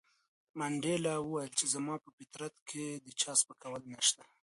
منډېلا وویل چې زما په فطرت کې د چا سپکول نشته.